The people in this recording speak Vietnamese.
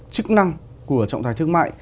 chức năng của trọng tài thương mại